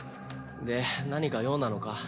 で何か用なのか？